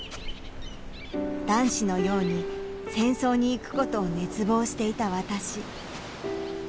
男子のように戦争に行くことを熱望していた私。